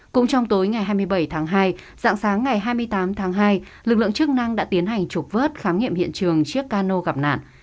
cũng trong tối ngày hai mươi bảy tháng hai dạng sáng ngày hai mươi tám tháng hai lực lượng chức năng đã tiến hành trục vớt khám nghiệm hiện trường chiếc cano gặp nạn